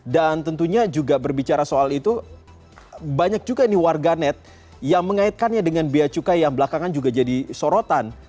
dan tentunya juga berbicara soal itu banyak juga ini warganet yang mengaitkannya dengan biaya cukai yang belakangan juga jadi sorotan